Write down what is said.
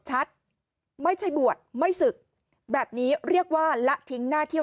ไม่ใช่บวชไม่ศึกแบบนี้เรียกว่าละทิ้งหน้าเที่ยว